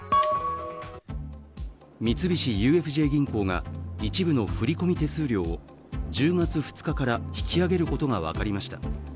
三菱ＵＦＪ銀行が一部の振込手数料を１０月２日から引き上げることが分かりました。